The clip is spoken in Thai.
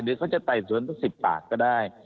หรือเขาจะไต่สวนทุก๑๐ปากก็ได้